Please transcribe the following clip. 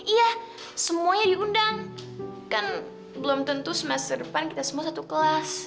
iya semuanya diundang kan belum tentu semasa depan kita semua satu kelas